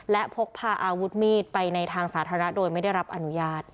และพกพาอาวุธมีดไปในทางสาธารณะโดยไม่ได้รับอนุญาต